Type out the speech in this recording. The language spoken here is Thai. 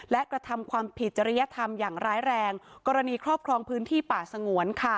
และกระทำความผิดจริยธรรมอย่างร้ายแรงกรณีครอบครองพื้นที่ป่าสงวน